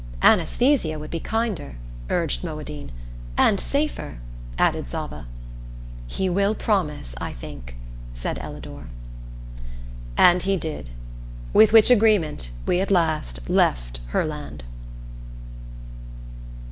"Anesthesia would be kinder," urged Moadine. "And safer," added Zava. "He will promise, I think," said Ellador. And he did. With which agreement we at last left Herland.